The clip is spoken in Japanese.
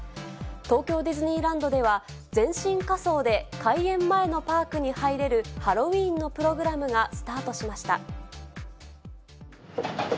東京ディズニーランドでは、全身仮装で開園前のパークに入れる、ハロウィーンのプログラムがスタートしました。